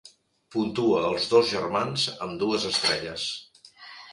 Puntua "Els dos germans" amb dues estrelles.